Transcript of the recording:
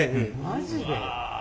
マジで？